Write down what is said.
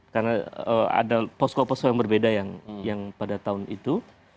karena ada posko posko yang berbeda yang pada tahun itu